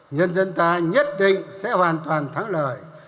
nhân dân ta nhất định sẽ hoàn toàn thắng lợi